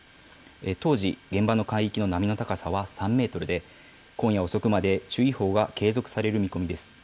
当時、現場の海域の波の高さは３メートルで、今夜遅くまで、注意報が継続される見込みです。